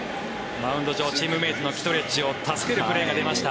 マウンド上チームメートのキトレッジを助けるプレーがありました。